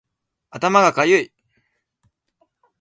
頭がかゆい